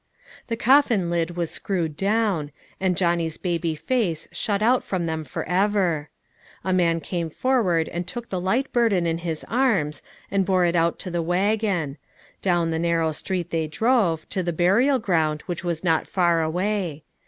The coffin lid was screwed down, and Johnny's baby face shut out from them for ever. A man came forward and took the light burden in his arms, and bore it out to the waggon; down the narrow street they drove, to the burial ground, which was not far away.